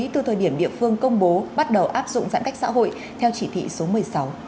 từ thời điểm địa phương công bố bắt đầu áp dụng giãn cách xã hội theo chỉ thị số một mươi sáu